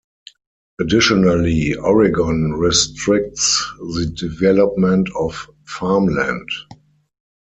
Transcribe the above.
Additionally, Oregon restricts the development of farmland.